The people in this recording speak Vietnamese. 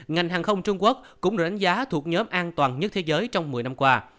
ngành hàng không trung quốc cũng đánh giá thuộc nhóm an toàn nhất thế giới trong một mươi năm qua